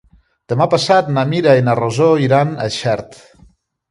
Demà passat na Mira i na Rosó iran a Xert.